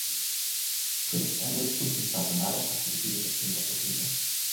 Prince Edward proves himself in battle after defeating the king of Bohemia.